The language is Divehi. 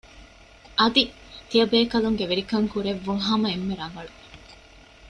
އަދި ތިޔަބޭކަލުންގެ ވެރިކަން ކުރެއްވުން ހަމަ އެންމެ ރަނގަޅު